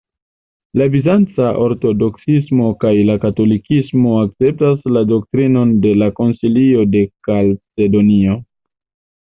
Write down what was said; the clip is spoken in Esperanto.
La bizanca ortodoksismo kaj la katolikismo akceptas la doktrinon de la Koncilio de Kalcedonio.